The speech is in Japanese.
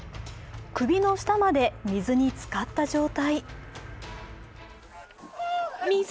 首の下まで水につかった状態。